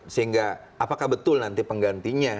sehingga apakah betul nanti penggantinya